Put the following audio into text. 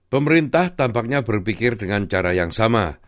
pemerintah tampaknya berpikir dengan cara yang sama